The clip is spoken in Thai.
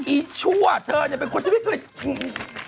อีชั่วเธอจะเป็นคนที่ไม่เคยมึง